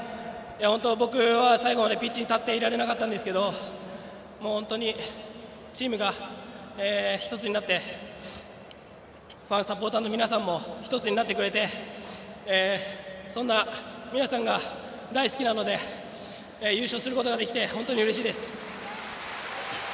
本当、僕は最後までピッチに立っていられなかったんですがチームが１つになってファン、サポーターの皆さんも１つになってくれてそんな皆さんが大好きなので優勝することができて本当にうれしいです。